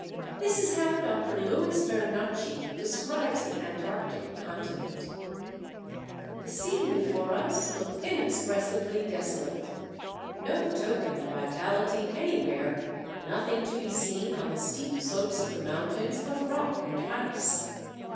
This is how Dr. Louis Bernacchi describes the Antarctic continent: "The scene before us looked inexpressibly desolate.... No token of vitality anywhere, nothing to be seen on the steep slopes of the mountains but rock and ice....